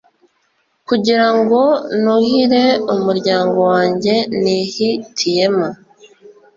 kugira ngo nuhire umuryango wanjye nihitiyemo,